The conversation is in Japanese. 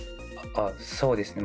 そうですね